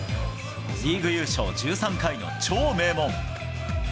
リーグ優勝１３回の超名門。